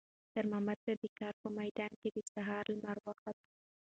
خیر محمد ته د کار په میدان کې د سهار لمر وخوت.